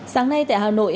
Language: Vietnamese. sáng nay tại hà nội